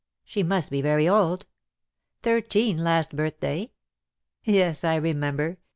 "She must be very old!" "Thirteen last birthday." "Yes, I remember.